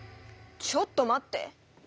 ちょっと待って！